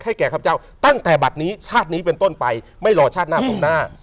แก่ข้าพเจ้าตั้งแต่บัตรนี้ชาตินี้เป็นต้นไปไม่รอชาติหน้าผมหน้า